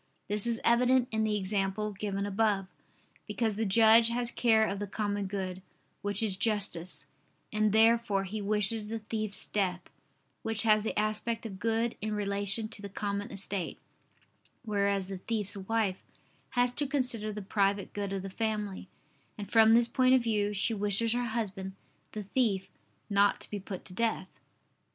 This is evident in the example given above: because the judge has care of the common good, which is justice, and therefore he wishes the thief's death, which has the aspect of good in relation to the common estate; whereas the thief's wife has to consider the private good of the family, and from this point of view she wishes her husband, the thief, not to be put to death.